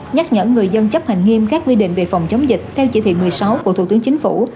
nhắc nhở người dân chấp hành nghiêm các quy định về phòng chống dịch theo chỉ thị một mươi sáu của thủ tướng chính phủ